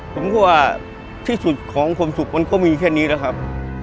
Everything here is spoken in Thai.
ผมก็ว่าที่สุดของความสุขมันก็มีแค่นี้นะครับ